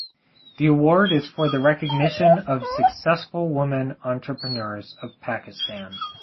The award is for the recognition of successful women entrepreneurs of Pakistan.